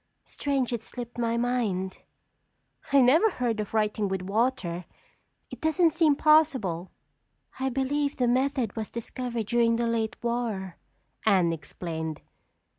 Strange it slipped my mind." "I never heard of writing with water. It doesn't seem possible." "I believe the method was discovered during the late war," Anne explained.